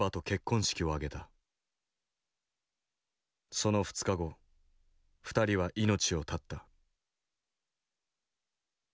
その２日後２人は命を絶った。